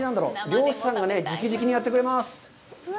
漁師さんがじきじきにやってくれます。